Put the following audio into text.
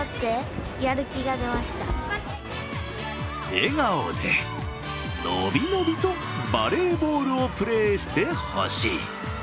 笑顔で、伸び伸びとバレーボールをプレーしてほしい。